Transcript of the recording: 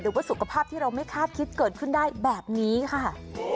สุขภาพที่เราไม่คาดคิดเกิดขึ้นได้แบบนี้ค่ะ